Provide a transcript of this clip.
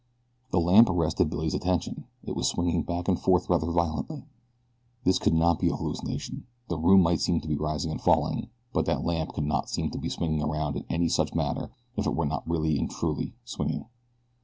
The lamp arrested Billy's attention. It was swinging back and forth rather violently. This could not be a hallucination. The room might seem to be rising and falling, but that lamp could not seem to be swinging around in any such manner if it were not really and truly swinging.